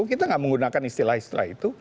kita nggak menggunakan istilah istilah itu